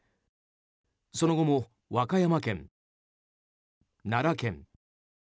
その後も和歌山県、奈良県